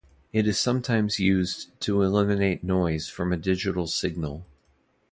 It is sometimes used to eliminate noise from a digital signal.